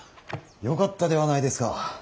よかったではないですか。